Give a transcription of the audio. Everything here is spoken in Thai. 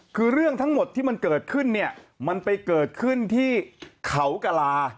คือเรื่องทั้งหมดที่มันเกิดขึ้นเนี่ยมันไปเกิดขึ้นที่เขากลา